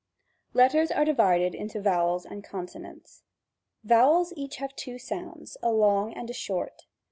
Letters are divided into vowels and consonants. Vowels have each two sounds, a long and a short.